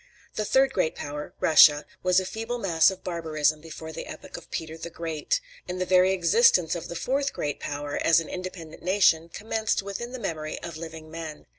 The third great power, Russia, was a feeble mass of barbarism before the epoch of Peter the Great; and the very existence of the fourth great power, as an independent nation, commenced within the memory of living men.